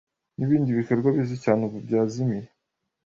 nibindi bikorwa bizwi cyane ubu byazimiye